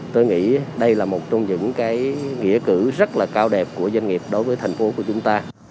tôi nghĩ đây là một trong những cái nghĩa cử rất là cao đẹp của doanh nghiệp đối với thành phố của chúng ta